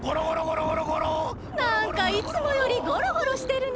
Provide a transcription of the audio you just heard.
なんかいつもよりゴロゴロしてるね！